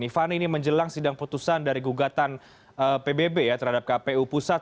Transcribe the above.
fani ini menjelang sidang putusan dari gugatan pbb ya terhadap kpu pusat